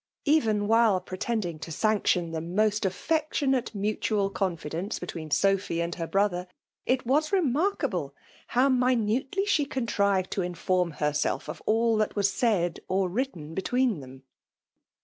Even while pretending to sanc tion the most affectionate mutual confidence between Sophy and her brother, it was re* markable how minutely she contrived to in form herself of all that was said or written between them.